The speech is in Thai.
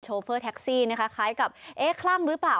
เฟอร์แท็กซี่นะคะคล้ายกับเอ๊ะคลั่งหรือเปล่า